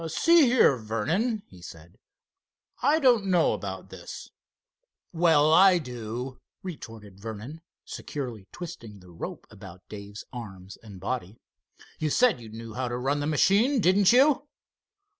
"See here, Vernon," he said, "I don't know about this." "Well, I do," retorted Vernon, securely twisting the rope about Dave's arms and body. "You said you knew how to run the machine, didn't you?"